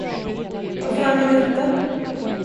Vad fan är detta?